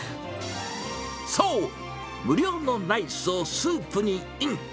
そう、無料のライスをスープにイン。